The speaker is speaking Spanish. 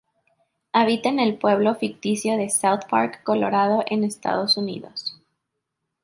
Habita en el pueblo ficticio de South Park, Colorado, en Estados Unidos.